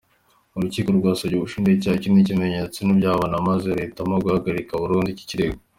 Urukiko rwasabye ubushinjacyaha ibindi bimenyetso ntibyabubona maze ruhitamo guhagarika burundu iki kirego.